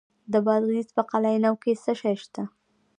د بادغیس په قلعه نو کې څه شی شته؟